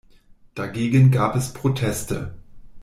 Dagegen gab es Proteste.